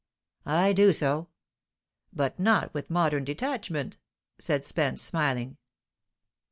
"I do so." "But not with modern detachment," said Spence, smiling.